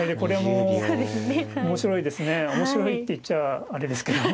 面白いって言っちゃああれですけども。